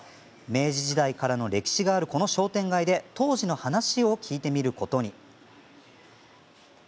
明治時代からの歴史があるこの商店街で当時の話を聞いてみることに。